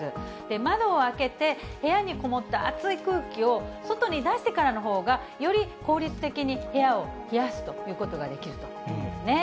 窓を開けて、部屋に籠もった暑い空気を外に出してからのほうが、より効率的に部屋を冷やすということができるというんですね。